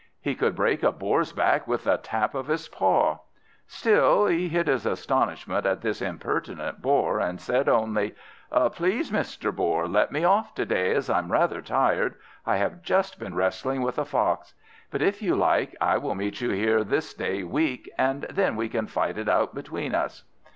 He could break a Boar's back with a tap of his paw. Still, he hid his astonishment at this impertinent Boar and only said: "Please, Mr. Boar, let me off to day, as I'm rather tired; I have just been wrestling with a fox. But, if you like, I will meet you here this day week, and then we can fight it out between us."